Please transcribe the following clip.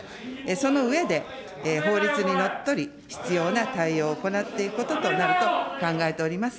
その上で、法律にのっとり、必要な対応を行っていくこととなると考えております。